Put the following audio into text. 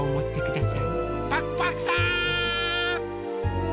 パクパクさん！